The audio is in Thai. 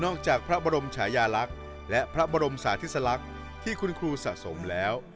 จากพระบรมชายาลักษณ์และพระบรมสาธิสลักษณ์ที่คุณครูสะสมแล้ว